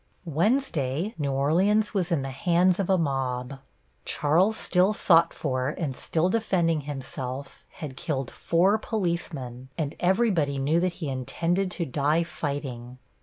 Wednesday New Orleans was in the hands of a mob. Charles, still sought for and still defending himself, had killed four policemen, and everybody knew that he intended to die fighting.